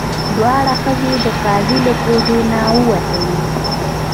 دواړه ښځې د قاضي له کوټې نه ووتلې.